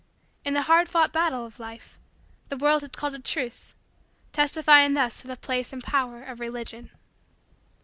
In the hard fought battle of life, the world had called a truce, testifying thus to the place and power of Religion.